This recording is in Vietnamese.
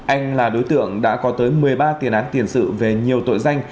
anh là đối tượng đã có tới một mươi ba tiền án tiền sự về nhiều tội danh